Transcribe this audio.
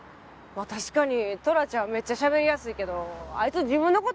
確かにトラちゃんめっちゃしゃべりやすいけどあいつ自分の事